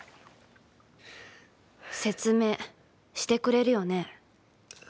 説明してくれるよね？